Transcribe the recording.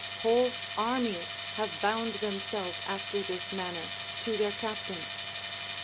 Whole armies have bound themselves after this manner to their captains.